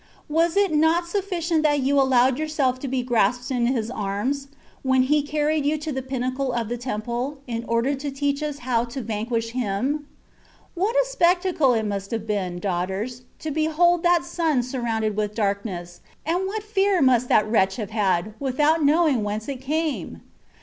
Was it not suffi cient that you allowed yourself to be grasped in his arms, when he carried you to the pinnacle of the temple, in order to teach us how to vanquish him ? What a spectacle must it have been, daugh ters, to behold that Sun surrounded with darkness, and what fear must that wretch have had, without knowing whence it came?